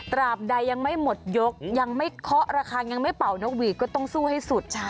บใดยังไม่หมดยกยังไม่เคาะระคังยังไม่เป่านกหวีดก็ต้องสู้ให้สุด